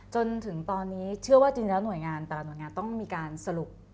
จนถึงตอนนี้เชื่อว่าหน่วยงานต้องมีการสรุป